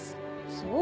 そう？